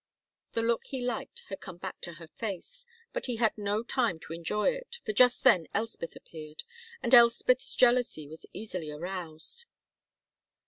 The look he liked had come back to her face, but he had no time to enjoy it, for just then Elspeth appeared, and Elspeth's jealousy was easily aroused.